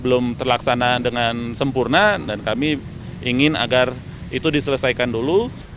belum terlaksana dengan sempurna dan kami ingin agar itu diselesaikan dulu